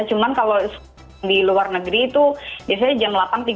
cuman kalau di luar negeri itu biasanya jam delapan tiga puluh